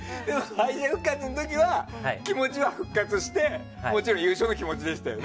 敗者復活の時には気持ちは復活してもちろん優勝の気持ちでしたよね。